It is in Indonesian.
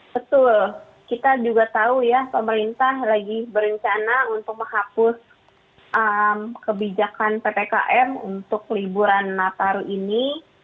betul kita juga tahu ya pemerintah lagi berencana untuk menghapus kebijakan ppkm untuk liburan nataru ini